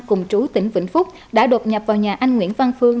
cùng chú tỉnh vĩnh phúc đã đột nhập vào nhà anh nguyễn văn phương